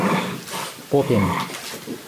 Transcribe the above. Попем...